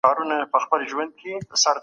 هغه به د خپلو حقونو غوښتنه وکړي.